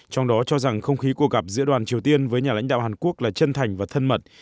trong đó cho rằng không khí cuộc gặp giữa đoàn triều tiên với nhà lãnh đạo hàn quốc là chân thành và thân mật